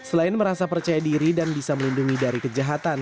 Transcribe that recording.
selain merasa percaya diri dan bisa melindungi dari kejahatan